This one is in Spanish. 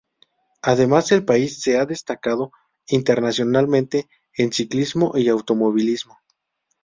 Además, el país se ha destacado internacionalmente en ciclismo y automovilismo.